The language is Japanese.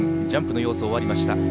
ジャンプの要素は終わりました。